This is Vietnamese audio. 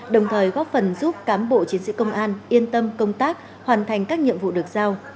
đồng thời góp phần giúp cám bộ chiến sĩ công an yên tâm công tác hoàn thành các nhiệm vụ được giao